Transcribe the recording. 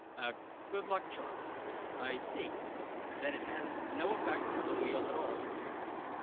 "A good luck charm. I see. Then it has no effect on the wheel at all?"